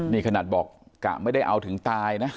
นี่ขนาดบอกกะไม่ได้เอาถึงตายนะ